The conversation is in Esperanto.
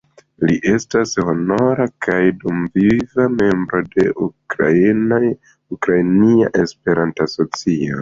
Li estas honora kaj dumviva membro de Ukrainia Esperanto-Asocio.